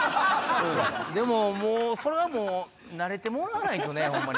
それはもう慣れてもらわないとねホンマに。